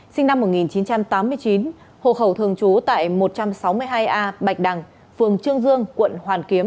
sinh năm một nghìn chín trăm tám mươi chín hộ khẩu thường trú tại một trăm sáu mươi hai a bạch đằng phường trương dương quận hoàn kiếm